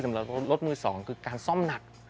สำหรับรถมือ๒คือการซ่อมหนัก